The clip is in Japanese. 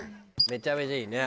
めちゃめちゃいいね。